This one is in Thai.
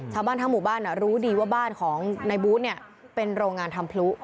ชาวบ้านทั้งหมู่บ้านรู้ดีว่าบ้านของนายบูธเป็นโรงงานทำพลุ